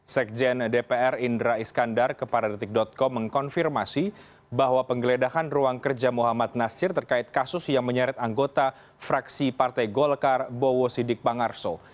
sekjen dpr indra iskandar kepada detik com mengkonfirmasi bahwa penggeledahan ruang kerja muhammad nasir terkait kasus yang menyeret anggota fraksi partai golkar bowo sidik bangarso